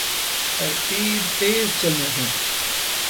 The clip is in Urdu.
اور تیر تیز چلنے ہیں۔